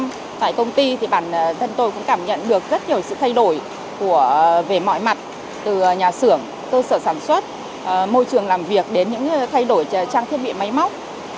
nhưng tại công ty thì bản thân tôi cũng cảm nhận được rất nhiều sự thay đổi về mọi mặt từ nhà xưởng cơ sở sản xuất môi trường làm việc đến những thay đổi trang thiết bị máy móc